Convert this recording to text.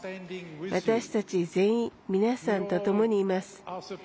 私たち全員皆さんとともにいます。